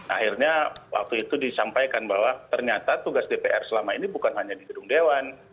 akhirnya waktu itu disampaikan bahwa ternyata tugas dpr selama ini bukan hanya di gedung dewan